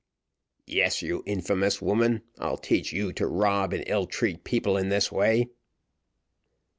"Yes, you infamous woman, I'll teach you to rob and ill treat people in this way."